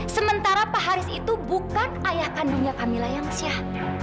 sementara pak haris itu bukan ayah kandungnya kamila yang syah